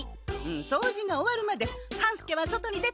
掃除が終わるまで半助は外に出てて。